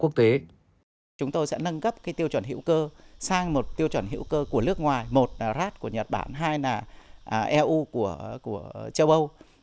chúng tôi sẽ nâng cấp tiêu chuẩn hữu cơ sang một tiêu chuẩn hữu cơ của nước ngoài một là rad của nhật bản hai là eu của châu âu